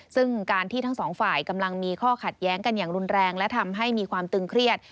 ซึ่งการที่ทั้งสองฝ่ายกำลังมีข้อขัดแย้งกันอย่างรุนแรงและทำให้มีความตึงเครียด